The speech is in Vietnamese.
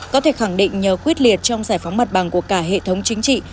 có thể khẳng định nhờ quyết liệt trong giải phóng mặt bằng của cả hệ thống chính trị